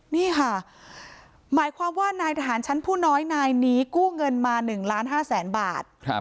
นี่ค่ะหมายความว่านายทหารชั้นผู้น้อยนายนี้กู้เงินมา๑ล้าน๕แสนบาท